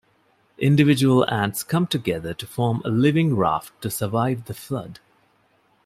Individual ants come together to form a living raft to survive the flood.